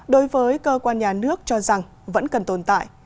đối với cơ quan nhà nước cho rằng vẫn cần tồn tại